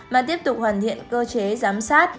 mà tiếp tục hoàn thiện cơ chế giám sát